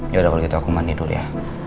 yaudah kalau gitu aku mandi dulu ya